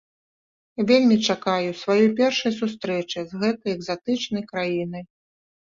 Вельмі чакаю сваёй першай сустрэчы з гэтай экзатычнай краінай.